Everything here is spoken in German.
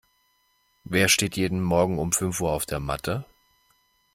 Wer steht jeden Morgen um fünf Uhr auf der Matte?